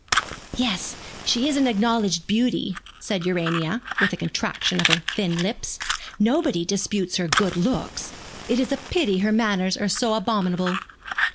'Yes, she is an acknowledged beauty, said Urania, with a contraction of her thin lips; 'nobody disputes her good looks. It is a pity her manners are so abominable.'